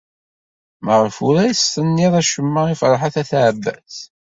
Maɣef ur as-tennid acemma i Ferḥat n At Ɛebbas?